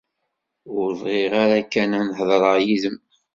Ur bɣiɣ ara kan ad hedreɣ yid-m.